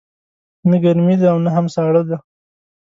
نه ګرمې ده او نه هم ساړه دی